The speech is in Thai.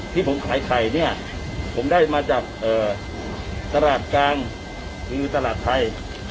ที่ผมขายไข่เนี่ยผมได้มาจากตลาดกลางวิวตลาดไทย